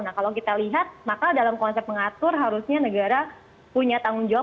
nah kalau kita lihat maka dalam konsep mengatur harusnya negara punya tanggung jawab